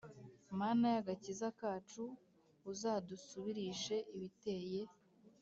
Mana y agakiza kacu Uzadusubirishe ibiteye